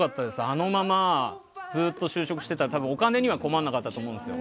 あのままずっと就職してたら多分、お金には困らなかったと思うんですよ。